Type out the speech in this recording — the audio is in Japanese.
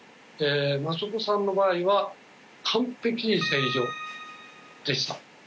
松岡さんの場合は完璧に正常でした。